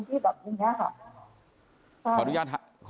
แกก็ให้เข้าไปอย่างนี้ค่ะก็มีเป็นคนที่แบบอย่างนี้ค่ะ